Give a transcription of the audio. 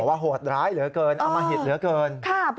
บอกว่าโหดร้ายเหลือเกินเอามหิตเหลือเกิน